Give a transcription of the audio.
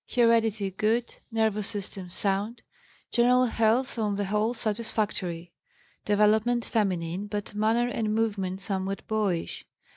Heredity good, nervous system sound, general health on the whole satisfactory. Development feminine but manner and movements somewhat boyish.